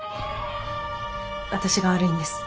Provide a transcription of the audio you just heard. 私が悪いんです。